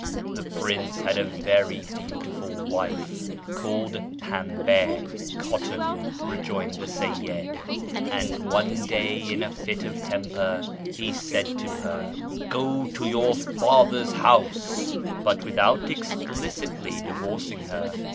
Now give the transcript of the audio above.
" The prince had a very beautiful wife called Pamba ('Cotton')" rejoined the Seyyid, "and one day in a fit of temper he said to her, ' Go to your father's house,' but with out explicitly divorcing her.